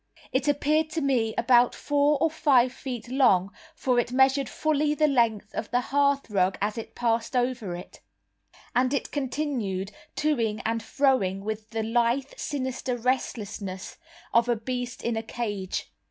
It appeared to me about four or five feet long for it measured fully the length of the hearthrug as it passed over it; and it continued to ing and fro ing with the lithe, sinister restlessness of a beast in a cage.